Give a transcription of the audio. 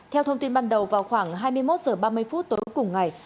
theo thông tin ban đầu vào khoảng hai mươi một h ba mươi phút tối cùng ngày